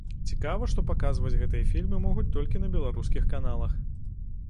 Цікава, што паказваць гэтыя фільмы могуць толькі на беларускіх каналах.